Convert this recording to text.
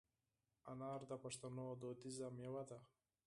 انار د پښتنو دودیزه مېوه ده.